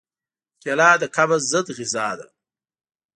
کېله د قبض ضد غذا ده.